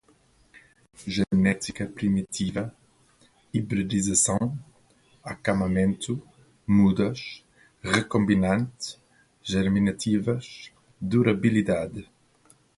genética primitiva, hibridização, acamamento, mudas, recombinante, germinativas, durabilidade